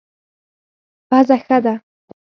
پزه ښه ده.